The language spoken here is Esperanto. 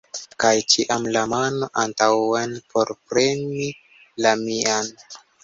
Kaj ĉiam la mano antaŭen por premi la mian!